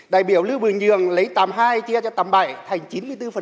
đại biểu lưu bình nhưỡng lấy tám mươi hai chia cho tám mươi bảy thành chín mươi bốn